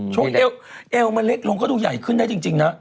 เอวมันเล็กลงก็ดูใหญ่ขึ้นได้จริงนะ